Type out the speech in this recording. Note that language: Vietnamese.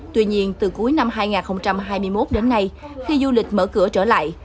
tuy nhiên từ cuối năm hai nghìn hai mươi một đến nay khi du lịch mở cửa trở lại